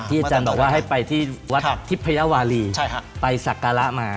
ที่จังบอกว่าให้ไปที่วัดทิพยาวาลีไปศักระมา